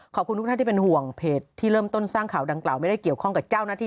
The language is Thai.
ขอบคุณทุกท่านที่เป็นห่วงเพจที่เริ่มต้นสร้างข่าวดังกล่าวไม่ได้เกี่ยวข้องกับเจ้าหน้าที่